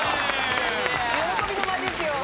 喜びの舞ですよ。